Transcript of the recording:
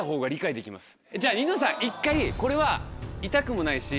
じゃあニノさん１回これは痛くもないし。